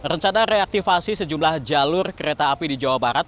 rencana reaktivasi sejumlah jalur kereta api di jawa barat